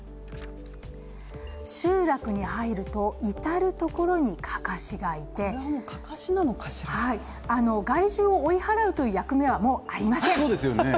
集落に入ると、至る所にかかしがいて、害獣を追い払うという役目はもうありません。